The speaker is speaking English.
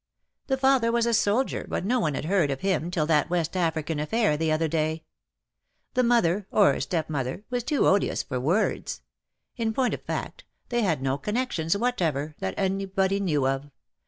The father was a soldier, but no one had heard of him till that West African affair the other day. The mother — or stepmother — was too odious for words. In point of fact, they had no connexions whatever, that anybody knew of.